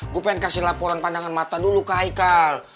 gue pengen kasih laporan pandangan mata dulu ke haikal